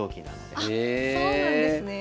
あっそうなんですね。